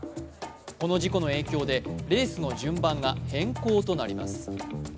この事故の影響で、レースの順番が変更となりました。